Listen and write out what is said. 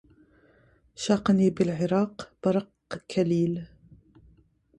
شاقني بالعراق برق كليل